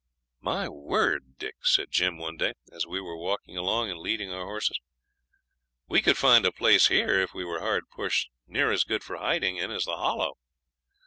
'My word, Dick,' said Jim one day, as we were walking along and leading our horses, 'we could find a place here if we were hard pushed near as good for hiding in as the Hollow.